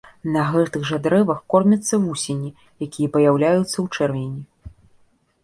На гэтых жа дрэвах кормяцца вусені, якія паяўляюцца ў чэрвені.